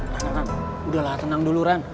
nah nah nah udahlah tenang dulu ran